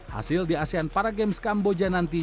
hasil di asean para games kamboja nanti